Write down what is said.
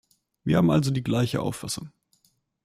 Wir haben also die gleiche Auffassung.